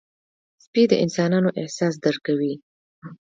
سپي د انسانانو احساس درک کوي.